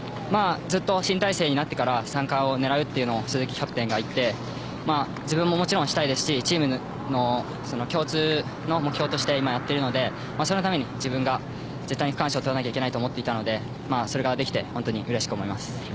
ずっと新体制になってから三冠を狙うと鈴木キャプテンが言っていて自分もしたいですしチームも共通目標としてやっているのでそのために自分が絶対区間賞をとらなければいけないと思っていましたしそれができて本当に嬉しく思います。